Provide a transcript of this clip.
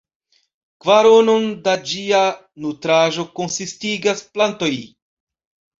Kvaronon da ĝia nutraĵo konsistigas plantoj.